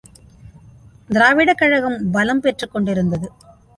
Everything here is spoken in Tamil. திராவிடக் கழகம் பலம் பெற்று கொண்டிருந்தது.